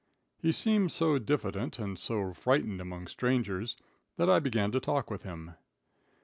He seemed so diffident and so frightened among strangers, that I began to talk with him.